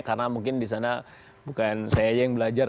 karena mungkin disana bukan saya aja yang belajar